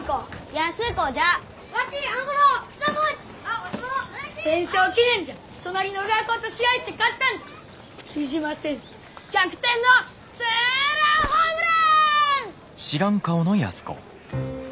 雉真選手逆転のツーランホームラン！